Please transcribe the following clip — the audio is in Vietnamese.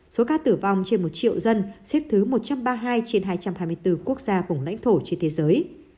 số ca tử vong trên một triệu dân xếp thứ một trăm ba mươi hai trên hai trăm hai mươi bốn quốc gia vùng lãnh thổ trên thế giới